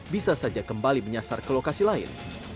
bisa saja kembali menyasar ke lokasi lain